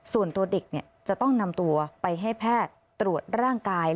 ส่วนตัวเด็กจะต้องนำตัวไปให้แพทย์ตรวจร่างกาย